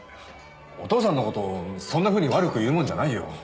お父さんの事をそんなふうに悪く言うもんじゃないよ。